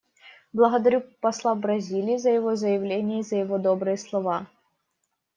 Благодарю посла Бразилии за его заявление и за его добрые слова.